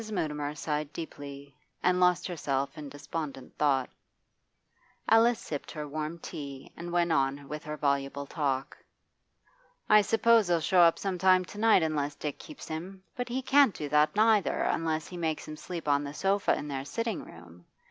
Mrs. Mutimer sighed deeply, and lost herself in despondent thought. Alice sipped her tea and went on with her voluble talk. 'I suppose he'll show up some time to night unless Dick keeps him. But he can't do that, neither, unless he makes him sleep on the sofa in their sitting room.